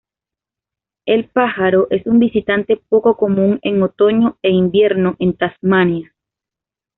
El pájaro es un visitante poco común en otoño e invierno en Tasmania.